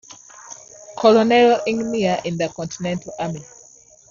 Colonel Engineer in the Continental Army.